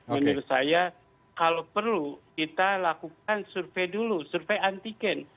menurut saya kalau perlu kita lakukan survei dulu survei antigen